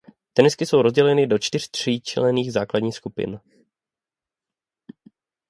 Tenistky jsou rozděleny do čtyř tříčlenných základních skupin.